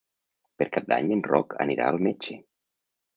Per Cap d'Any en Roc anirà al metge.